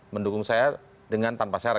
mendukung saya dengan tanpa syarat